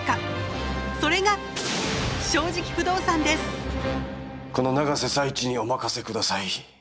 それがこの永瀬財地にお任せください。